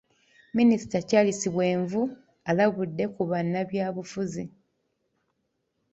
Minisita Charles Bwenvu alabudde ku bannabyabufuzi .